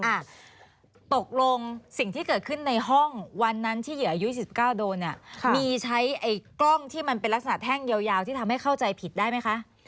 อ่ะตกลงสิ่งที่เกิดขึ้นในห้องวันนั้นที่เหยื่ออายุ๒๙โดนเนี่ยมีใช้ไอ้กล้องที่มันเป็นลักษณะแท่งยาวที่ทำให้เข้าใจผิดได้ไหมคะ